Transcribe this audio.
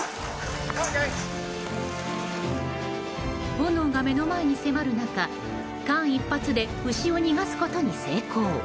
炎が目の前に迫る中間一髪で牛を逃がすことに成功。